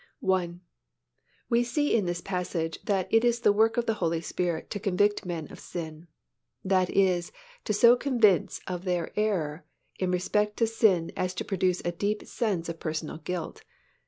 I. We see in this passage that it is the work of the Holy Spirit to convict men of sin. That is, to so convince of their error in respect to sin as to produce a deep sense of personal guilt.